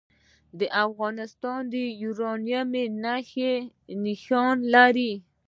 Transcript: افغانستان د یورانیم نښې نښانې لري